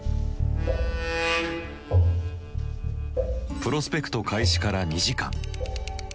プロスペクト開始から２時間。